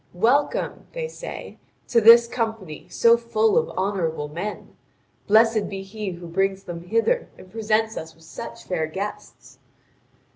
"Welcome," they say, "to this company, so full of honourable men! Blessed be he who brings them hither and presents us with such fair guests!"